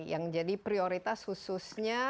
yang jadi prioritas khususnya